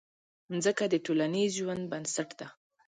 مځکه د ټولنیز ژوند بنسټ ده.